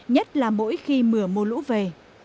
nhất là mỗi khi mưa mô lũ về